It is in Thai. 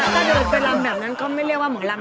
ถ้าเดินไปลำแบบนั้นก็ไม่เรียกว่าหมอลำ